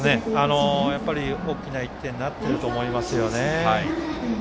大きな１点になっていると思いますね。